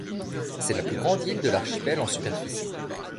C'est la plus grande île de l'archipel en superficie.